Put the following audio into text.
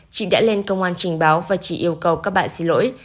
chị đã lên công an trình báo và chỉ yêu cầu các bạn xin lỗi